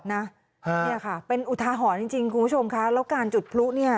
เนี่ยค่ะเป็นอุทาหรณ์จริงคุณผู้ชมค่ะแล้วการจุดพลุเนี่ย